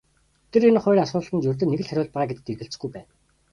Тэр энэ хоёр асуултад ердөө нэг л хариулт байгаа гэдэгт эргэлзэхгүй байв.